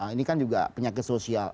ini kan juga penyakit sosial